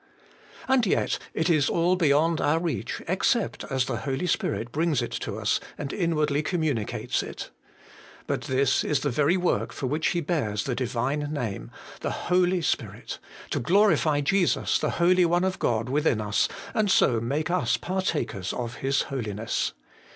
And yet, it is all beyond our reach, except as the Holy Spirit brings it to us and inwardly communi cates it. But this is the very work for which He bears the Divine Name, the Holy Spirit, to glorify Jesus, the Holy One of God, within us, and so make us partakers of His Holiness.